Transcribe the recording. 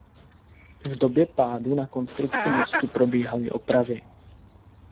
V době pádu na konstrukci mostu probíhaly opravy.